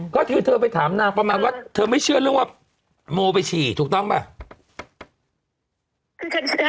ก็คือเธอไปถามนางประมาณว่าเธอไม่เชื่อเรื่องว่าโมไปฉี่ถูกต้องป่ะ